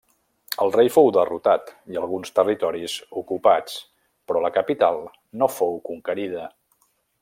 El rei fou derrotat i alguns territoris ocupats però la capital no fou conquerida.